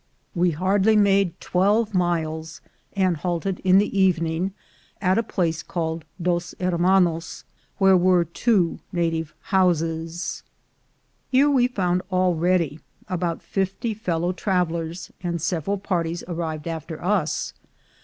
We hardly made twelve 30 THE GOLD HUNTERS miles, and halted in the evening at a place called Dos Hermanos where were two native houses. Here we found already about fifty fellow travelers, and several parties arrived after us.